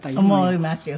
思いますよ